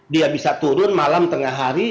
dia bisa turun malam tengah hari